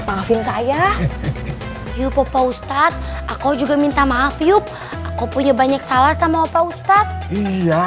maafin saya hiu pop pak ustadz aku juga minta maaf hiup aku punya banyak salah sama pak ustadz iya